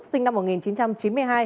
sinh năm một nghìn chín trăm chín mươi hai